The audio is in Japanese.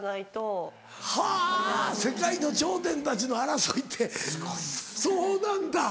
はぁ世界の頂点たちの争いってそうなんだ！